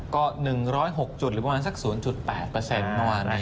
ก็ทาง๑๐๖หรือกว่าหนักสัก๐๘เปอร์เซนต์เมื่อหวาน